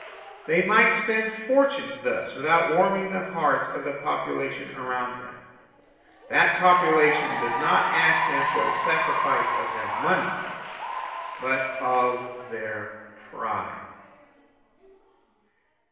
They might spend fortunes thus without warming the hearts of the population around them; that population does not ask them for the sacrifice of their money, but of their pride.